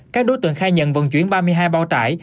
các đối tượng khai nhận vận chuyển ba mươi hai bao tải